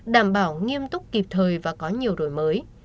đảm bảo nghiêm túc kịp thời và có nhiều đổi mới